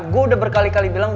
gue udah berkali kali bilang